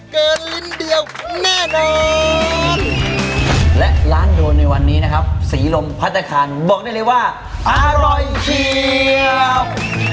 ขนมและร้านโดนในวันนี้นะครับศรีลมพัตคานบอกได้เลยว่าอร่อยเฉียบ